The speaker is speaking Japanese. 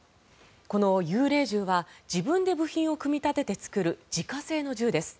この幽霊銃は自分で部品を組み立てて作る自家製の銃です。